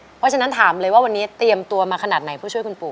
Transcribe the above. เพราะฉะนั้นถามเลยว่าวันนี้เตรียมตัวมาขนาดไหนเพื่อช่วยคุณปู่